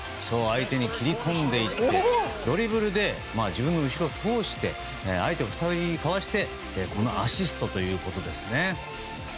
相手に切り込んでいってドリブルで自分の後ろを通して相手を２人かわしてこのアシストということですね。